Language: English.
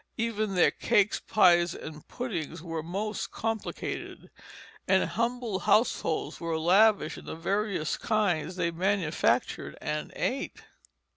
Even their cakes, pies, and puddings were most complicated, and humble households were lavish in the various kinds they manufactured and ate.